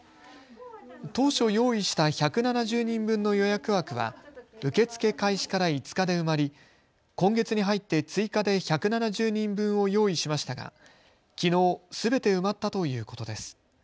当初、用意した１７０人分の予約枠は受け付け開始から５日で埋まり今月に入って追加で１７０人分を用意しましたが、きのうすべて埋まったということです。